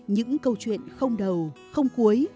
những câu chuyện không đầu không cuối